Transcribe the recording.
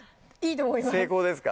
成功ですか？